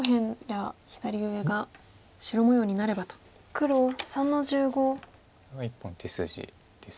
これは１本手筋です。